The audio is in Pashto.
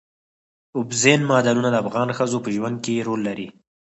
اوبزین معدنونه د افغان ښځو په ژوند کې رول لري.